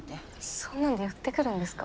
そんなんで寄ってくるんですか？